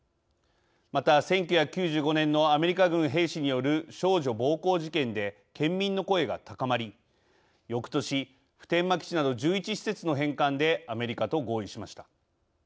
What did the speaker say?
また１９９５年のアメリカ軍兵士による少女暴行事件で県民の声が高まりよくとし普天間基地など１１施設の返還でアメリカと合意しました。